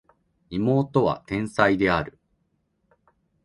妹は天才である